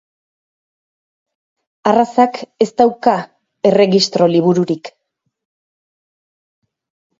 Arrazak ez dauka erregistro libururik.